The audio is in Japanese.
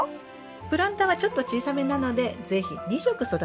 プランターがちょっと小さめなので是非２色育てましょう。